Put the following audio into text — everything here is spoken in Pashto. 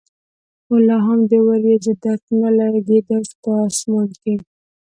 خو لا هم د ورېځو درک نه لګېده په اسمان کې.